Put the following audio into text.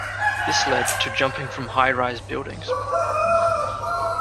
This led to jumping from high rise buildings.